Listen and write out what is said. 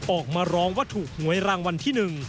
ออกมาร้องว่าถูกหวยรางวัลที่๑